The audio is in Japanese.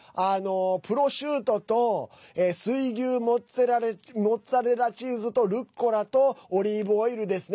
プロシュートと水牛モッツァレラチーズとルッコラとオリーブオイルですね。